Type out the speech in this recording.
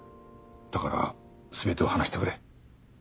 だから全てを話してくれ。